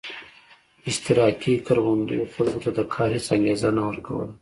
اشتراکي کروندو خلکو ته د کار هېڅ انګېزه نه ورکوله.